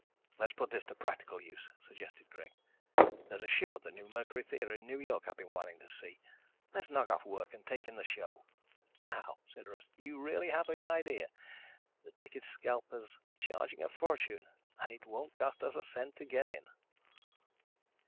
"Let's put this to practical use," suggested Greg. "There's a show at the New Mercury Theater in New York I've been wanting to see. Let's knock off work and take in that show." "Now," said Russ, "you really have an idea. The ticket scalpers are charging a fortune, and it won't cost us a cent to get in!"